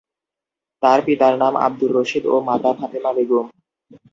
তার পিতার নাম আব্দুর রশীদ ও মাতা ফাতেমা বেগম।